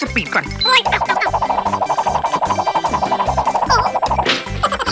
หาตรงไหนปะเนี่ย